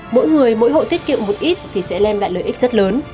mỗi người mỗi hộ tiết kiệm một ít thì sẽ đem lại lợi ích rất lớn